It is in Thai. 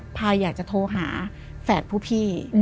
พายอยากจะโทรหาแฝดผู้พี่